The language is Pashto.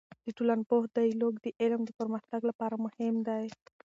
د ټولنپوه ديالوګ د علم د پرمختګ لپاره مهم دی.